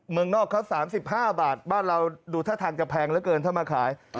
เมืองนอกเขา๓๕บาทบ้านเราดูท่าทางจะแพงเหลือเกินถ้ามาขาย